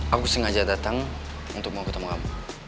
aku sengaja datang untuk mau ketemu kamu